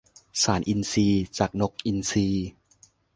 สารอินทรีย์จากนกอินทรี